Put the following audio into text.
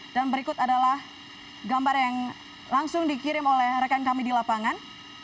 dan berikut adalah gambar yang langsung dikirim oleh rekan kami di lapangan